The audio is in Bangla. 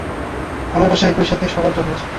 আমার বাসায় একই সাথে সবার জ্বর হয়েছে।